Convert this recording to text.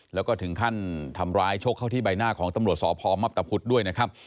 แล้วก็ถึงขั้นทำร้ายชกเข้าที่ใบหน้าของตำรวจสพมับตะพุทธด้วยนะครับ